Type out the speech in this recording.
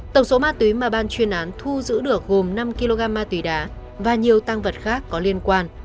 tổng số ma túy mà ban chuyên án thu giữ được gồm năm kg ma túy đá và nhiều tăng vật khác có liên quan